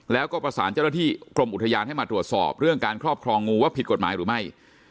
แล้วก็ประสานเจ้าหน้าที่กรมอุทยานให้มาตรวจสอบเรื่องการครอบครองงูว่าผิดกฎหมายหรือไม่